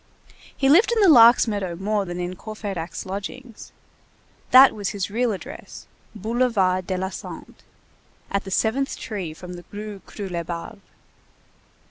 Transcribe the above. He lived in the Lark's meadow more than in Courfeyrac's lodgings. That was his real address: Boulevard de la Santé, at the seventh tree from the Rue Croulebarbe.